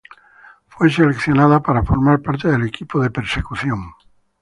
Fue seleccionada para formar parte del equipo de persecución.